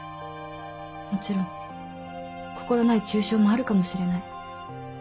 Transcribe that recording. もちろん心ない中傷もあるかもしれない。